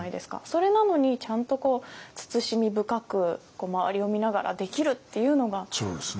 それなのにちゃんと慎み深く周りを見ながらできるっていうのが。